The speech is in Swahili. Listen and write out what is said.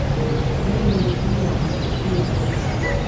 Reli ni mfumo wa kupitia.